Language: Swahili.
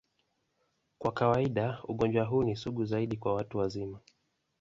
Kwa kawaida, ugonjwa huu ni sugu zaidi kwa watu wazima.